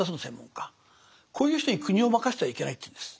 こういう人に国を任せてはいけないというんです。